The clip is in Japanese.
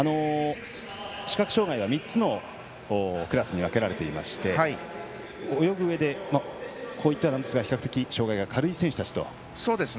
視覚障がいは３つのクラスに分けられていまして泳ぐうえでこう言ってはなんですが比較的、障がいの軽い選手たち。